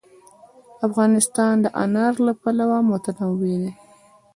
افغانستان د انار له پلوه متنوع دی.